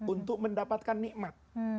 untuk mendapatkan nikmat